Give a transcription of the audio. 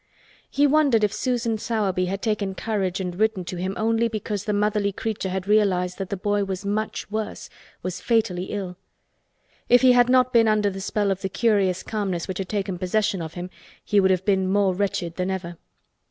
He wondered if Susan Sowerby had taken courage and written to him only because the motherly creature had realized that the boy was much worse—was fatally ill. If he had not been under the spell of the curious calmness which had taken possession of him he would have been more wretched than ever.